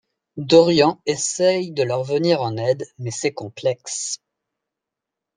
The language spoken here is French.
Dorian essaie de leur venir en aide, mais c’est complexe.